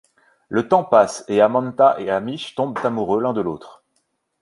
Le temps passe et Amantha et Hamish tombent amoureux l'un de l'autre.